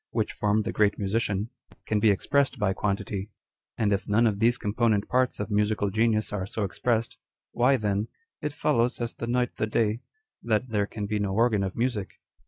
which form the great musician, can be expressed by quantity ; aud if none of these component parts of musical genius are so expressed, why then " it follows, as the night the day," that there can be no organ of music.